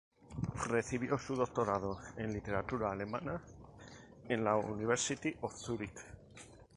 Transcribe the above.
Recibió su doctorado en Literatura alemana en la University of Zurich.